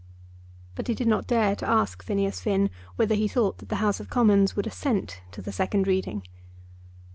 But he did not dare to ask Phineas Finn whether he thought that the House of Commons would assent to the second reading.